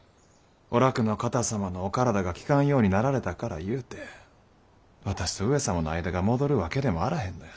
お楽の方様のお体が利かんようになられたからいうて私と上様の間が戻るわけでもあらへんのやし。